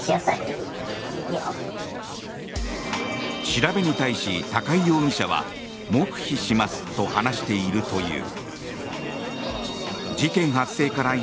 調べに対し、高井容疑者は黙秘しますと話しているという。